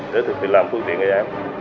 để thực hiện làm phương tiện gây áp